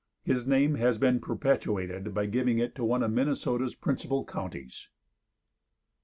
His name has been perpetuated by giving it to one of Minnesota's principal counties. MISSIONS.